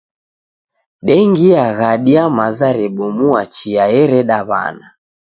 Dengia ghadi ya maza rebomua chia ereda w'ana.